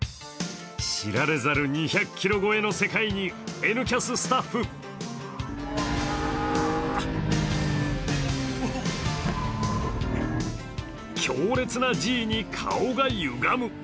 知られざる２００キロ超えの世界にＮキャススタッフ、強烈なＧに顔がゆがむ。